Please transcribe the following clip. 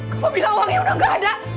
kalau bilang uangnya udah gak ada